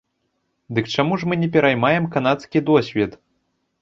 Дык чаму ж мы не пераймаем канадскі досвед?